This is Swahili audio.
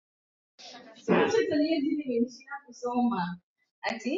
Imetayarishwa na Kennes Bwire, Sauti ya Amerika, Washington Wilaya ya Columbia .